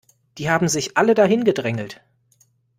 Die haben sich alle da hingedrängelt.